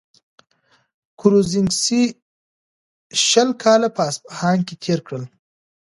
کروزینسکي شل کاله په اصفهان کي تېر کړل.